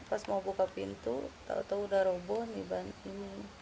pas mau buka pintu tau tau udah roboh nih banting